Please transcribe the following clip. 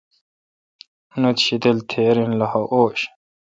انت شیدل تھیرا ین لخہ اوݭ